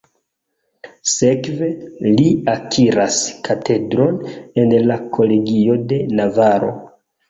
Sekve, li akiras katedron en la Kolegio de Navaro.